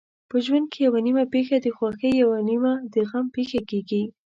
په ژوند کې یوه نیمه پېښه د خوښۍ یوه نیمه د غم پېښه کېږي.